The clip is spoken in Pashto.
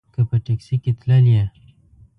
که په ټیکسي کې تللې.